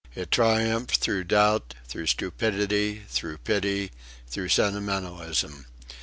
It triumphed through doubt, through stupidity, through pity, through sentimentalism.